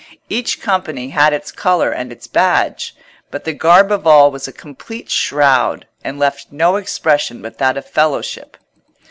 Each company had its colour and its badge, but the garb of all was a complete shroud, and left no expression but that of fellowship.